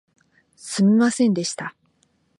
すみませんでした